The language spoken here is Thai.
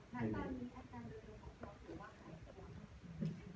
ไม่อยากตอบคิดหน้าตรงร้าย